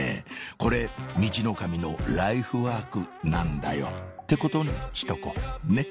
これミチノカミのライフワークなんだよってことにしとこねっ！